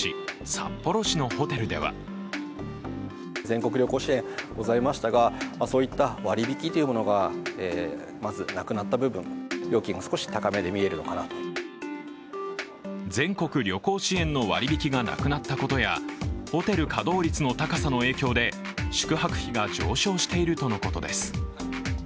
札幌市のホテルでは全国旅行支援の割り引きがなくなったことやホテル稼働率の高さの影響で宿泊費が上昇しているとのことです。